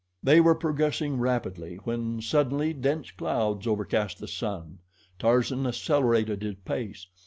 They were progressing rapidly when suddenly dense clouds overcast the sun. Tarzan accelerated his pace.